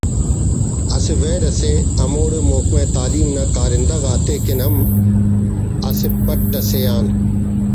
اسہ ویل اسے ہموڑے محکمہ تعلیم نا کارندہ غاتے کن ہم اسہ پٹ اسے آن